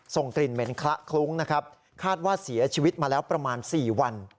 ส่งกลิ่นเหม็นคละคลุ้งนะครับคาดว่าเสียชีวิตมาแล้วประมาณ๔วัน